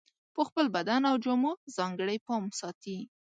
په خپل بدن او جامو ځانګړی پام ساتي.